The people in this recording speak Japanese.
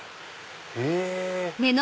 へぇ。